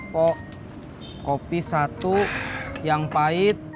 kok kopi satu yang pahit